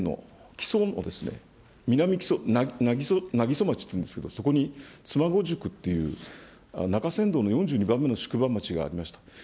長野県の木曽のなぎそ町というんですけど、そこにつまご宿っていう中山道の４２番目の宿場町がありました。